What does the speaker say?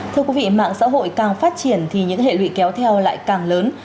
thưa quý vị mạng xã hội càng phát triển thì những hệ lụy kéo theo lại càng lớn